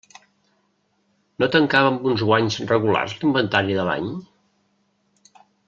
No tancava amb uns guanys regulars l'inventari de l'any?